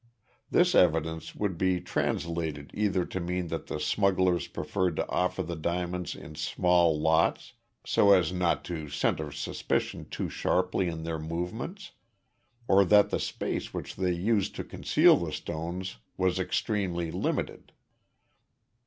This evidence would be translated either to mean that the smugglers preferred to offer the diamonds in small lots, so as not to center suspicion too sharply in their movements, or that the space which they used to conceal the stones was extremely limited.